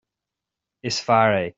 is fear é